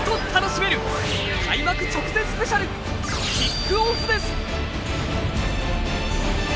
開幕直前スペシャルキックオフです！